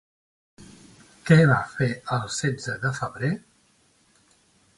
Què va fer el setze de febrer?